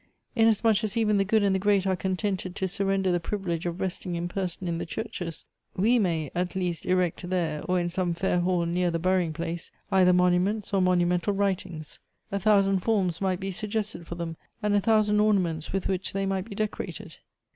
Inasmuch as even the good and the great are contented to sui render the privilege of resting in person in the churches, ice may, at least, erect there or in some fair hall near the burying ])lace, either monu ments or monumental writings. A thousand forms might be suggested for them, and a thousand ornaments with which they might be decorated."